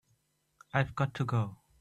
I've got to go.